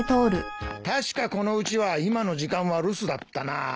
確かこのうちは今の時間は留守だったな。